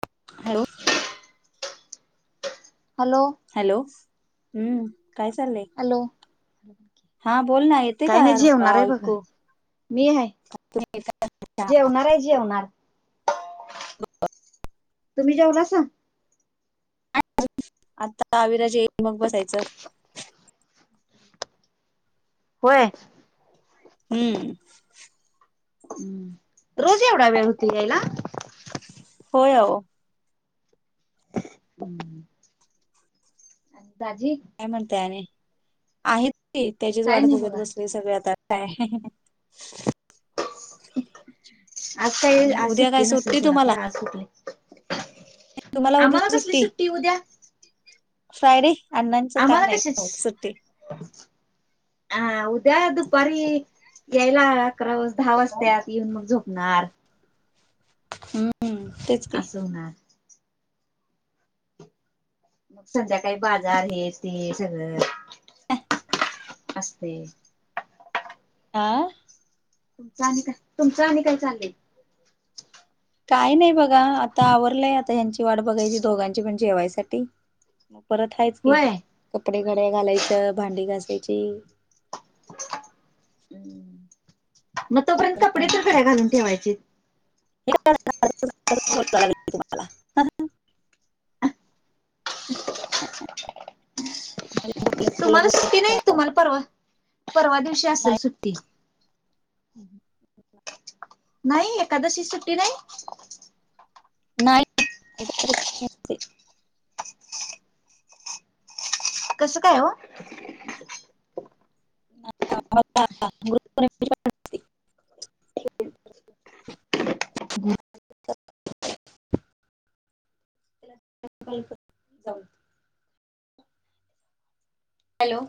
[inaudible] Hello. Hello हम्म काय चाललंय हॅलो हा बोल ना येते काय का नाही जेवणार आहे बघा आयकु मी हाय जेवणाराय जेवणार तुम्ही जेवलासा आता अविराज येईल की मग बसायचं. होय. हम्म हम्म रोज एवढा वेळ होतोय यायला होय ओ [unintelligible] आणि दाजी काय म्हणताय आणि आहेत की त्याचीच काय वाट नाही बघत बघा बसलोय सगळे आता काय आज काय आणि आज उद्या काय सुट्टी नसल तुला खर तुम्हाला आज कुठली. तुम्हाला उद्या आम्हाला कसली सुट्टी उद्या फ्रायडे अण्णांचं काम आम्हाला नाही ना मग सुट्टी कशाची हा उद्या दुपारी यायला अकरा वाज दहा वाजत्यात येऊन मग झोपणार. हम्म तेच की असं होणार मग संध्याकाळी बाजार हे ते सगळं आसतयच. आं झाली का? तुमचं आणि काय चाललय. काय नाही बघा आता आवरलंय आता ह्यांची वाट बघायची दोघांची पण जेवायसाठी म परत हायच की होय कपडे घड्या घालायचं, भांडी घासायची. मग तोपर्यंत कपडे तर घड्या घालून ठेवायचीत. [inaudible] बोलत बोलत तुम्हाला बोलत सुट्टी नाही करावं तुम्हाला परवा परवा दिवशी असलं नाही सुट्टी नाही एकादशी ची सुट्टी नाही. नाही एकादशीची कसं काय ओ? [inaudible] [unintelligible] जाऊ हॅलो.